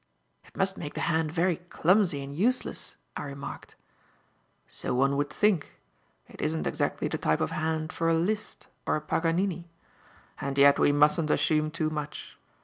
"It must make the hand very clumsy and useless," I remarked. "So one would think. It isn't exactly the type of hand for a Liszt or a Paganini. And yet we mustn't assume too much.